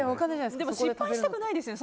でも、失敗したくないですよね。